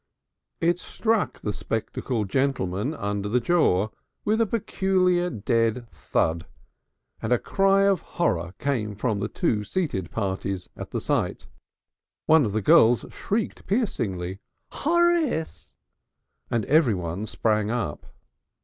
It struck the spectacled gentleman under the jaw with a peculiar dead thud, and a cry of horror came from the two seated parties at the sight. One of the girls shrieked piercingly, "Horace!" and everyone sprang up.